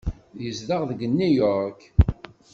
Yezdeɣ deg New York.